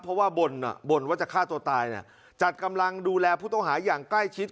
เพราะว่าบ่นว่าจะฆ่าตัวตายเนี่ยจัดกำลังดูแลผู้ต้องหาอย่างใกล้ชิด